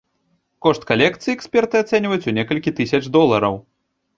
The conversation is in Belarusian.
Кошт калекцыі эксперты ацэньваюць у некалькі тысяч долараў.